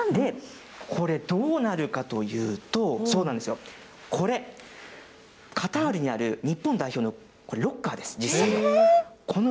これ、どうなるかというと、これ、カタールにある日本代表のこれ、ロッカーです、実際の。